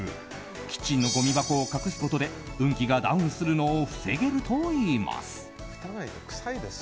キッチンのごみ箱を隠すことで運気がダウンするのを防げるといいます。